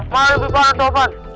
malah lebih parah taufan